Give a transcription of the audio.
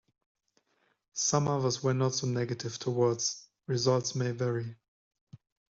Some others were not so negative towards "Results May Vary".